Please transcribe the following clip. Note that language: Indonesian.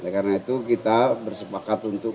karena itu kita bersepakat untuk